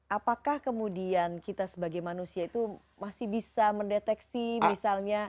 apakah kemudian kita sebagai manusia itu masih bisa mendeteksi misalnya